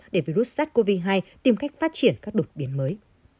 để virus sars cov hai tìm cách phát triển các đột biến mới